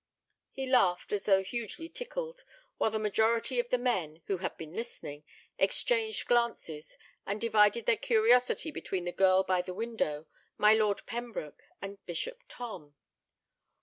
He laughed, as though hugely tickled, while the majority of the men, who had been listening, exchanged glances, and divided their curiosity between the girl by the window, my Lord Pembroke, and Bishop Tom.